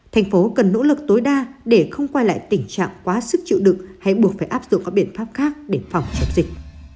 thành phố cần nỗ lực tối đa để không quay lại tình trạng quá sức chịu đựng hay buộc phải áp dụng các biện pháp khác để phòng chống dịch